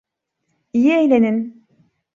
İyi eğlenin.